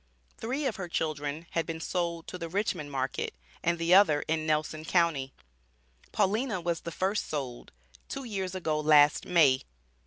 Three of her children had been sold to the Richmond market and the other in Nelson county. Paulina was the first sold, two years ago last May.